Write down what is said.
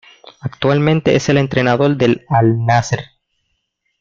Actualmente es el entrenador del Al-Nasr.